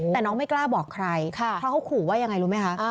แต่น้องไม่กล้าบอกใครเพราะเขาขู่ว่ายังไงรู้ไหมคะ